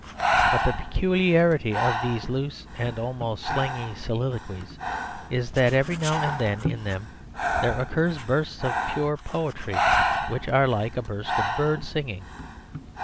But the peculiarity of these loose and almost slangy soliloquies is that every now and then in them there occur bursts of pure poetry which are like a burst of birds singing.